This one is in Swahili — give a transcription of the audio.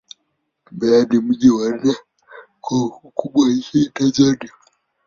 Mbeya ni mji wa nne kwa ukubwa nchini Tanzania.